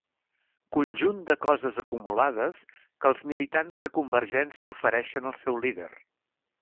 Conjunt de coses acumulades que els militants de Convergència ofereixen al seu líder.